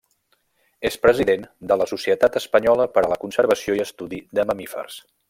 És president de la Societat Espanyola per a la Conservació i Estudi de Mamífers.